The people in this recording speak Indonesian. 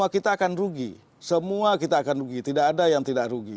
kita akan rugi semua kita akan rugi tidak ada yang tidak rugi